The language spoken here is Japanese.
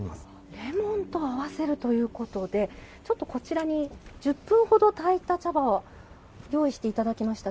レモンと合わせるということでこちらに１０分ほど、たいた茶葉を用意していただきました。